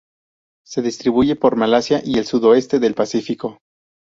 Se distribuye por Malasia y el sudoeste del Pacífico.